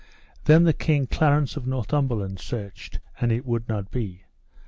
Then the King Clarence of Northumberland searched, and it would not be.